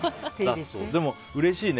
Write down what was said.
でも、うれしいね。